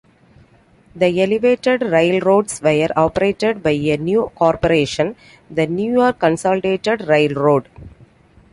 The elevated railroads were operated by a new corporation, the New York Consolidated Railroad.